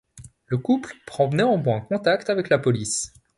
Le couple prend néanmoins contact avec la police.